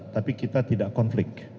tapi kita tidak konflik